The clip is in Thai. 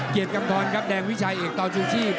เกียบกำคอนครับแดงวิชาเอกตอนชู่ชีพ